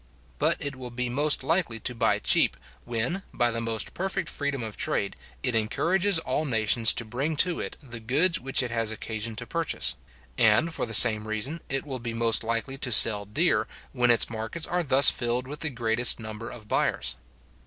But it will be most likely to buy cheap, when, by the most perfect freedom of trade, it encourages all nations to bring to it the goods which it has occasion to purchase; and, for the same reason, it will be most likely to sell dear, when its markets are thus filled with the greatest number of buyers.